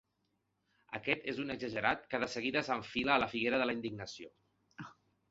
Aquest és un exagerat que de seguida s'enfila a la figuera de la indignació.